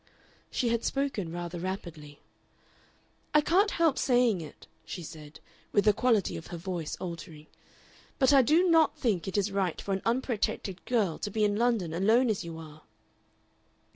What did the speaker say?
She had spoken rather rapidly. "I can't help saying it," she said, with the quality of her voice altering, "but I do NOT think it is right for an unprotected girl to be in London alone as you are."